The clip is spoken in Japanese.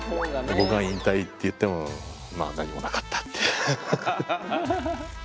僕が引退って言ってもまあ何もなかったっていう。